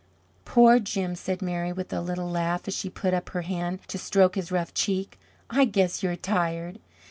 "Poor Jim!" said Mary, with a little laugh as she put up her hand to stroke his rough cheek. "I guess you're tired."